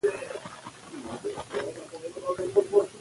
عامه ګټې د قانون ملاتړ غواړي.